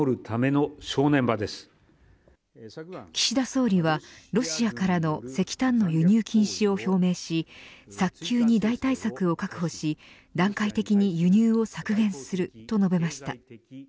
岸田総理はロシアからの石炭の輸入禁止を表明し早急に代替策を確保し段階的に輸入を削減すると述べました。